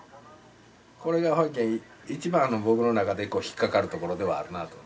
これが一番僕の中で引っかかるところではあるなと。